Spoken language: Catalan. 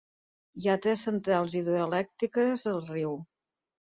Hi ha tres centrals hidroelèctriques al riu.